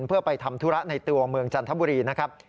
เพื่อไปทำธุระในตัวเมืองจันทบุรีนะครับ